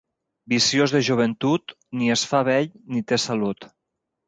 Viciós de joventut ni es fa vell ni té salut.